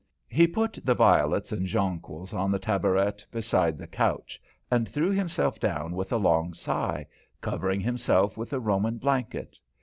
He put the violets and jonquils on the tabouret beside the couch, and threw himself down with a long sigh, covering himself with a Roman blanket.